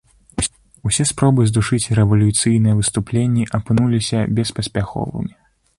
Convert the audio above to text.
Усе спробы здушыць рэвалюцыйныя выступленні апынуліся беспаспяховымі.